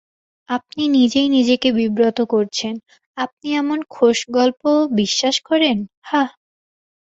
আপনি নিজেই নিজেকে বিব্রত করছেন, আপনি এমন খোশগল্প বিশ্বাস করেন, হাহ?